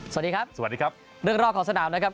สวัสดีครับสวัสดีครับเรื่องรอบของสนามนะครับ